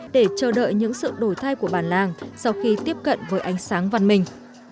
để chờ đợi những sự đổi thay của bàn làng sau khi tiếp cận với ánh sáng văn minh